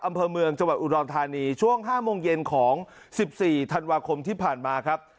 อำเภอเมืองจังหวัดอุดรธานีช่วง๕โมงเย็นของ๑๔ธันวาคมที่ผ่านมาครับ